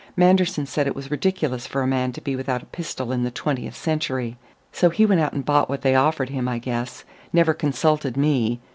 Manderson said it was ridiculous for a man to be without a pistol in the twentieth century. So he went out and bought what they offered him, I guess never consulted me.